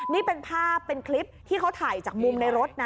นี่เป็นภาพเป็นคลิปที่เขาถ่ายจากมุมในรถนะ